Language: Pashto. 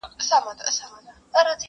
دیدن د بادو پیمانه ده؛